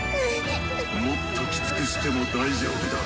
もっとキツくしても大丈夫だ。